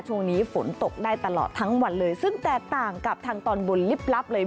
ช่วงนี้ฝนตกได้ตลอดทั้งวันเลยซึ่งแตกต่างกับทางตอนบนลิบลับเลย